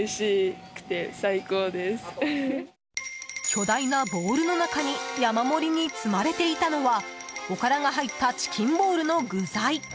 巨大なボールの中に山盛りに積まれていたのはおからが入ったチキンボールの具材。